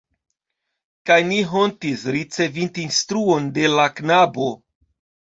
Kaj ni hontis, ricevinte instruon de la knabo.